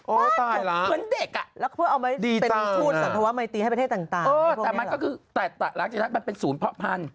โอ้ตายแล้วดีตายนะเป็นภูมิสันธวะมันตีให้ประเทศต่างมันก็คือแต่หลักจากนั้นมันเป็นศูนย์พระพันธ์